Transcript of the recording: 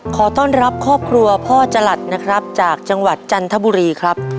ขอต้อนรับครอบครัวพ่อจลัดนะครับจากจังหวัดจันทบุรีครับ